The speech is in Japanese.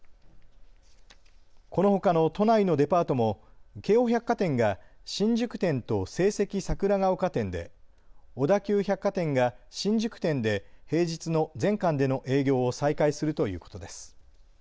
このほかの都内のデパートも京王百貨店が新宿店と聖蹟桜ヶ丘店で、小田急百貨店が新宿店で平日の全館での営業を再開するということです。